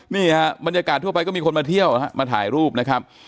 นี่ฮะบรรยากาศทั่วไปก็มีคนมาเที่ยวนะฮะมาถ่ายรูปนะครับ